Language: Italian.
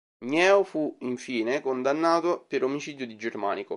Gneo fu infine condannato per omicidio di Germanico.